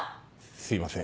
すいません。